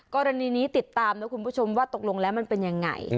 กรณีนี้ติดตามว่าตกลงแล้วมันเป็นยังไง